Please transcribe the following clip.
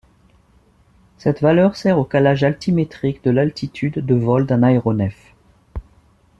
Cette valeur sert au calage altimétrique de l'altitude de vol d'un aéronef.